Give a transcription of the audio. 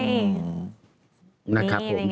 นี่อะไรอย่างนี้